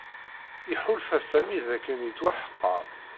Iḥulfa Sami dakken yettwaḥqer.